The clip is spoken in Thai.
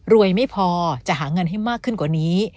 ไม่พอจะหาเงินให้มากขึ้นกว่านี้